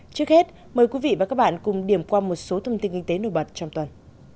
trước hết mời quý vị và các bạn cùng điểm qua một số thông tin kinh tế nổi bật trong tuần